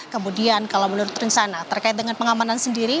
kemudian kalau menurut rencana terkait dengan pengamanan sendiri